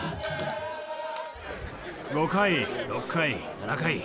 ５回６回７回。